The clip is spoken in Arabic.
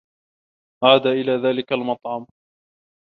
عاد إلى ذلك المطعم.